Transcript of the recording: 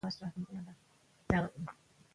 د بانک په ویب پاڼه کې د اړیکو شمیرې شته.